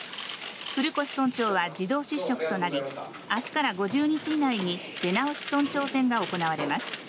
古越村長は自動失職となり、あすから５０日以内に、出直し村長選が行われます。